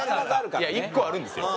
１個はあるんですよ。